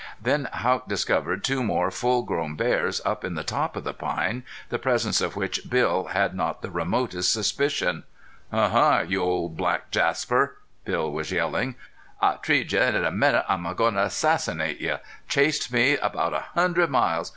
Then Haught discovered two more full grown bears up in the top of the pine, the presence of which Bill had not the remotest suspicion. "Ahuh! you ole black Jasper!" Bill was yelling. "I treed you an' in a minnit I'm agoin' to assassinate you. Chased me about a hundred miles